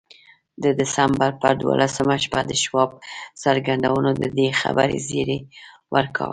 د ډسمبر پر دولسمه شپه د شواب څرګندونو د دې خبرې زيري ورکاوه.